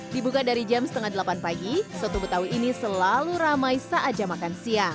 dibuka dari jam setengah delapan pagi soto betawi ini selalu ramai saat jam makan siang